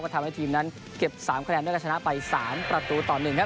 กระทำให้ทีมนั้นเก็บสามคะแนนและชนะไปสามประตูต่อหนึ่งครับ